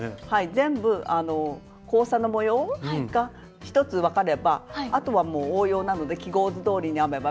全部交差の模様が一つ分かればあとはもう応用なので記号図どおりに編めばみんな編めるようになります。